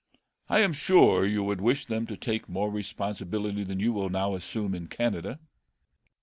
I am sure you would wish them to take more responsibility than you will now assume in Canada.